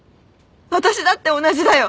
私だって同じだよ。